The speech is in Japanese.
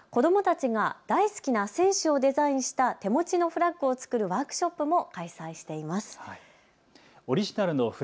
影山さんは子どもたちが大好きな選手をデザインした手持ちのフラッグを作るワークショップも開催しています。